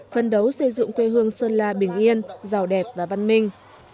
phân đấu xây dựng quê hương sơn la bình yên giàu đẹp và văn minh